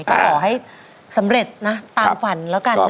ก็ขอให้สำเร็จนะตามฝันแล้วกันนะ